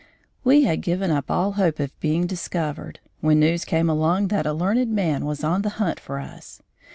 We had given up all hope of being discovered, when news came along that a learned man was on the hunt for us.